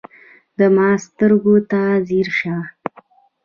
د ما سترګو ته ځیر شه